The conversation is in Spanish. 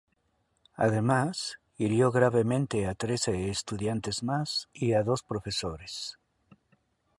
Además, hirió gravemente a trece estudiantes más y a dos profesores.